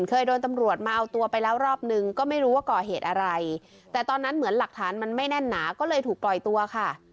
เคยโดนตำรวจมาเอาตัวไปแล้วรอบนึงก็ไม่รู้ว่าก่อเหตุอะไรแต่ตอนนั้นเหมือนหลักฐานมันไม่แน่นหนาก็เลยถูกปล่อยตัวค่ะ